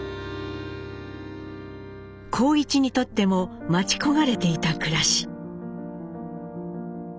幸一にとっても待ち焦がれていた暮らし。